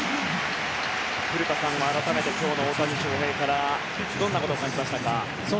古田さん、改めて今日の大谷翔平からどんなことを感じましたか？